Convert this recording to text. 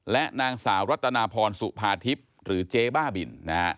และนางสาวรัตนาพรสุภาทิพย์หรือเจ๊บ้าบินนะฮะ